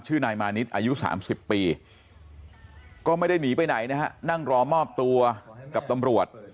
นายมานิดอายุ๓๐ปีก็ไม่ได้หนีไปไหนนะฮะนั่งรอมอบตัวกับตำรวจ